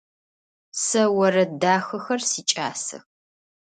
Сэ орэд дахэхэр сикӏасэх.